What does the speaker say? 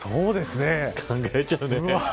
考えちゃうね。